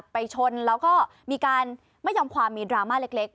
ไปชนแล้วก็มีการไม่ยอมความมีดราม่าเล็ก